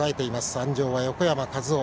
鞍上は横山和生。